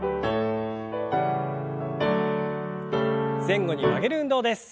前後に曲げる運動です。